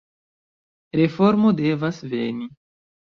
Reformo devas veni.